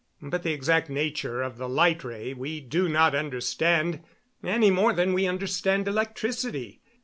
But the exact nature of the light ray we do not understand, any more than we understand electricity.